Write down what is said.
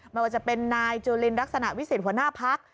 ไม่ว่าจะเป็นนายจุลินลักษณะวิสิทธิหัวหน้าพัก